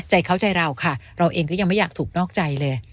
ใจเขาใจเราค่ะเราเองก็ยังไม่อยากถูกนอกใจเลย